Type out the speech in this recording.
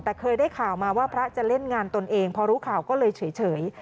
แต่เคยได้ข่าวมาว่าพระจะเล่นงานตนเองพอรู้ข่าวก็เลยเฉย